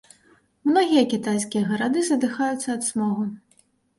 Многія кітайскія гарады задыхаюцца ад смогу.